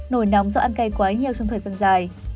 nổi nóng do ăn cây quá nhiều trong thời gian dài